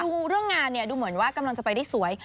เอาดูเรื่องงานเดี๋ยวไม่เหมือนกันยังคงจะไปได้สวย